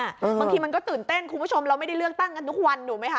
บางทีมันก็ตื่นเต้นคุณผู้ชมเราไม่ได้เลือกตั้งกันทุกวันถูกไหมคะ